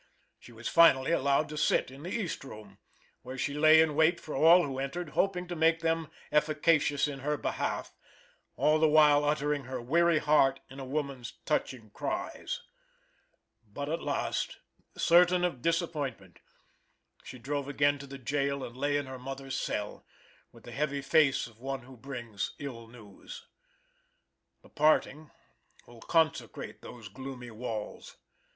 She was finally allowed to sit in the east room, where she lay in wait for all who entered, hoping to make them efficacious in her behalf, all the while uttering her weary heart in a woman's touching cries: but at last, certain of disappointment, she drove again to the jail and lay in her mother's cell, with the heavy face of one who brings ill news. The parting will consecrate those gloomy walls.